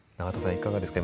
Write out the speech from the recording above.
いかがですか？